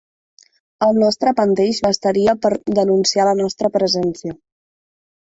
El nostre panteix bastaria per denunciar la nostra presència.